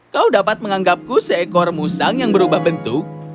kau dapat menganggapku seekor musang yang berubah bentuk